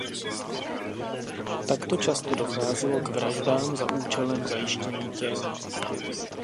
Takto často docházelo k vraždám za účelem zajištění těl.